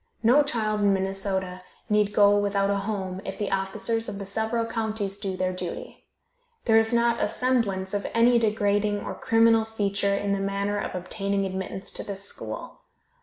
No child in Minnesota need go without a home if the officers of the several counties do their duty. There is not a semblance of any degrading or criminal feature in the manner of obtaining admittance to this school.